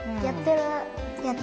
やってる。